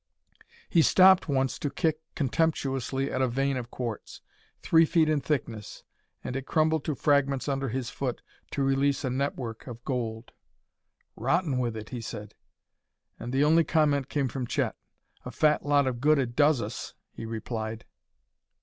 He stopped once to kick contemptuously at a vein of quartz. Three feet in thickness and it crumbled to fragments under his foot to release a network of gold. "Rotten with it," he said. And the only comment came from Chet: "A fat lot of good it does us!" he replied.